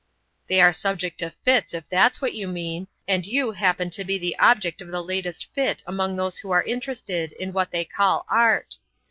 "They are subject to fits, if that's what you mean; and you happen to be the object of the latest fit among those who are interested in what they call Art.